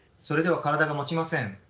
それでは体がもちません。